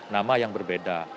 nama yang berbeda